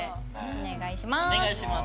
お願いします。